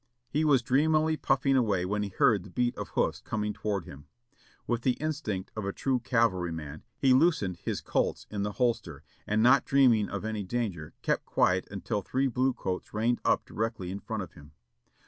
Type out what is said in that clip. He was dreamily puffing away when he heard the beat of hoofs coming toward him. With the instinct of a true cavalryman he loosened his Colt's in the holster, and not dreaming of any danger, kept quiet until three blue coats reined up directly in front of him.